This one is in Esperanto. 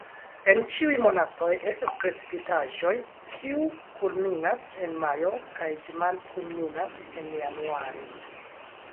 En ĉiuj monatoj estas precipitaĵoj, kiu kulminas en majo kaj ĝi malkulminas en januare.